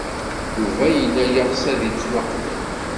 Yuba yella yeɣs ad yettwaqbel.